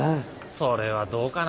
それはどうかな。